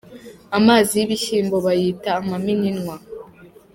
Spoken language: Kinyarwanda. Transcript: amazi yibishyimbo bayita amamininwa